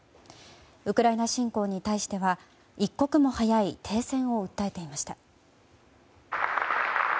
ウクライナ侵攻に対しては一刻も早い停戦を訴えていました。